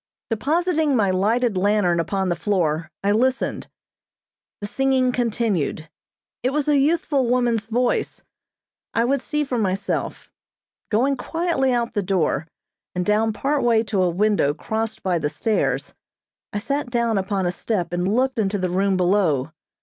Depositing my lighted lantern upon the floor, I listened. The singing continued. It was a youthful woman's voice. I would see for myself. Going quietly out the door, and down part way to a window crossed by the stairs, I sat down upon a step and looked into the room below.